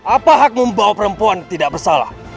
apa hak membawa perempuan tidak bersalah